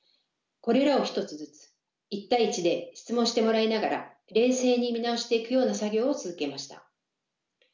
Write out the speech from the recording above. これらを１つずつ１対１で質問してもらいながら冷静に見直していくような作業を続けました。